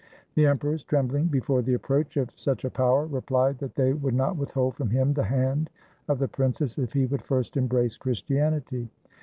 The emperors, trembling before the approach of such a power, replied that they would not withhold from him the hand of the princess if he would first embrace Chris tianity.